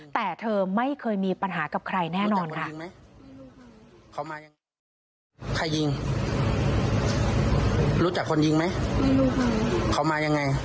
แต่เธอไม่เคยมีปัญหากับใครแน่นอนค่ะ